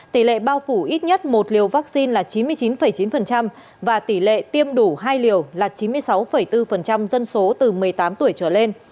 tỷ lệ bao phủ ít nhất một liều vaccine là chín mươi chín chín và tỷ lệ tiêm đủ hai liều là chín mươi sáu bốn dân số từ một mươi tám tuổi trở lên